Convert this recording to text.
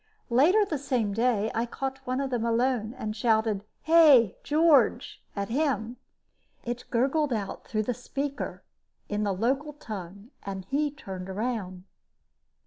Later the same day, I caught one of them alone and shouted "Hey, George!" at him. It gurgled out through the speaker in the local tongue and he turned around.